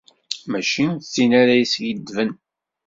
Mačči d tin ara yeskiddben.